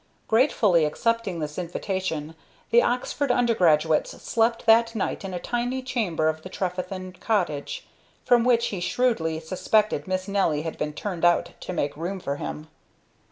Gratefully accepting this invitation, the Oxford undergraduate slept that night in a tiny chamber of the Trefethen cottage, from which he shrewdly suspected Miss Nelly had been turned out to make room for him.